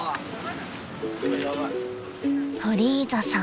［フリーザさん